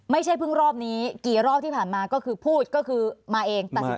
ไม่ใช่เพิ่งรอบนี้กี่รอบที่ผ่านมาก็คือพูดก็คือมาเองตัดสินใจ